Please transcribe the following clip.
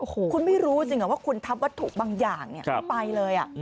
คุณไม่รู้จริงหรอว่าคุณทับวัตถุบางอย่างเนี่ยไปเลยอ่ะ